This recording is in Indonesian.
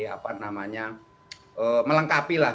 apa namanya melengkapi lah